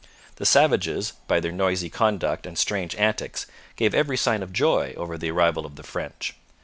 The savages, by their noisy conduct and strange antics, gave every sign of joy over the arrival of the French.